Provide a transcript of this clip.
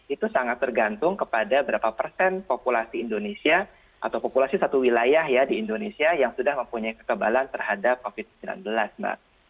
itu sangat tergantung kepada berapa persen populasi indonesia atau populasi satu wilayah ya di indonesia yang sudah mempunyai kekebalan terhadap covid sembilan belas mbak